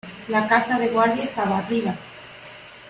La casa de guardia estaba arriba.